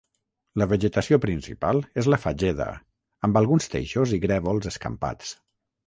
La vegetació principal és la fageda, amb alguns teixos i grèvols escampats.